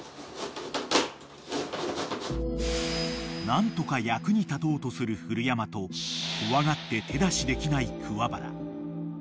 ［何とか役に立とうする古山と怖がって手出しできない桑原］